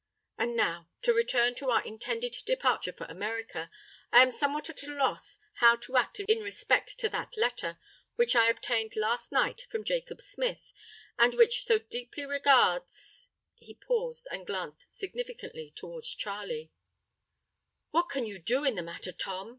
And now, to return to our intended departure for America, I am somewhat at a loss how to act in respect to that letter, which I obtained last night from Jacob Smith, and which so deeply regards——" He paused, and glanced significantly towards Charley. "What can you do in the matter, Tom?"